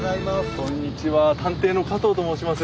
こんにちは探偵の加藤と申します。